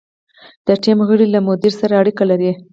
د ټیم غړي له مدیر سره اړیکې لري.